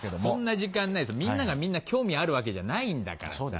そんな時間ないみんながみんな興味あるわけじゃないんだからさ。